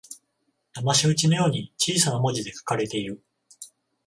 だまし討ちのように小さな文字で書かれている